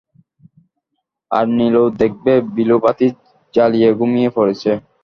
আর নীলু দেখবে-বিলু বাতি জ্বালিয়ে ঘুমিয়ে পড়েছে।